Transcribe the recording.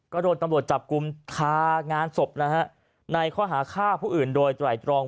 ก็โดนน้ำบ่อยจับกุมทางานสบนะฮะในขัวหาค้าผู้อื่นโดยไหล่ตรอง